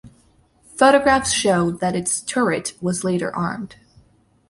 Photographs show that its turret was later armed.